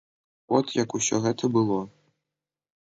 От як усё гэта было.